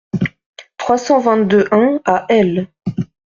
trois cent vingt-deux-un à L.